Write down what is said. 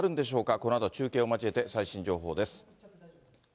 このあと中継を交えて最新情報です。